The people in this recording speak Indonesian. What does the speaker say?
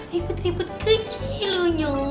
ribut ribut kecil nyul